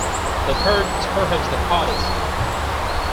The third is perhaps the hardest.